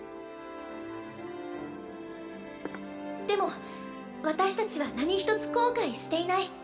「でも私たちは何一つ後悔していない」。